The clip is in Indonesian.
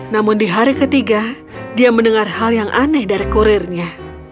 namun di hari ketiga dia mendengar hal yang aneh dari kurirnya